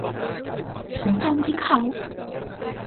ฉันจ้องที่เขา